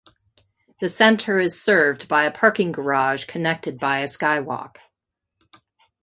The center is served by a parking garage connected by a skywalk.